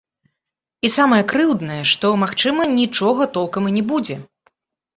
І самае крыўднае, што, магчыма, нічога толкам і не будзе.